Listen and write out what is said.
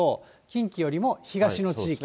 近畿よりも東の地域。